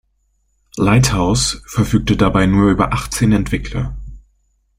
Lighthouse verfügte dabei nur über achtzehn Entwickler.